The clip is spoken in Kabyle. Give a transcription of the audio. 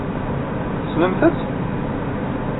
Tessnemt-tt?